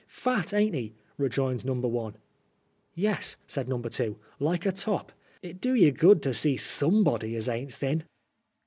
" Fat, ain't he ?" rejoined number one. " Yes," said number two, " like a top. It do yer good to see some body as ain't thin."